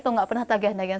tidak pernah tagihan tagian